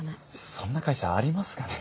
そんな会社ありますかね？